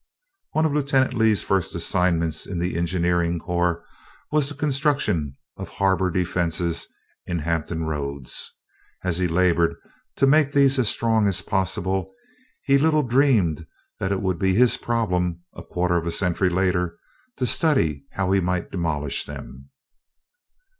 One of Lieutenant Lee's first assignments in the engineering corps was the construction of harbor defenses in Hampton Roads. As he labored to make these as strong as possible, he little dreamed that it would be his problem, a quarter of a century later, to study how he might demolish them.